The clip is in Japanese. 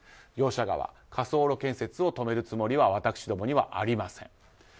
業者側火葬炉建設を止めるつもりは私どもにはありません。